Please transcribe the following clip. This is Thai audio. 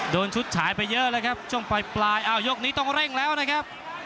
ชุดฉายไปเยอะแล้วครับช่วงปลายอ้าวยกนี้ต้องเร่งแล้วนะครับ